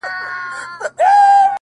بې وسي-